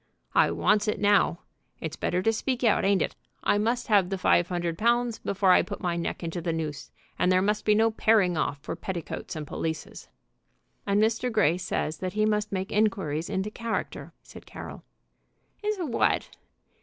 "I wants it now. It's better to speak out, ain't it? I must have the five hundred pounds before I put my neck into the noose, and there must be no paring off for petticoats and pelisses." "And Mr. Grey says that he must make inquiries into character," said Carroll. "Into what?"